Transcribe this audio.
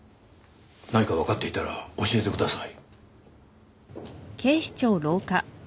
何かわかっていたら教えてください。